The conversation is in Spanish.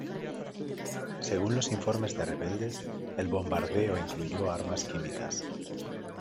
Según los informes de rebeldes, el bombardeo incluyó armas químicas.